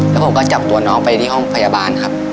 แล้วผมก็จับตัวน้องไปที่ห้องพยาบาลครับ